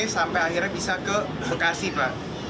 sampai akhirnya bisa ke bekasi pak